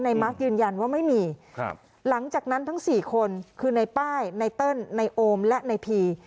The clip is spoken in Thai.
มาร์คยืนยันว่าไม่มีครับหลังจากนั้นทั้ง๔คนคือในป้ายไนเติ้ลในโอมและในพี